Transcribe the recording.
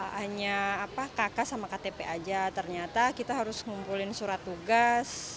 hanya kk sama ktp aja ternyata kita harus ngumpulin surat tugas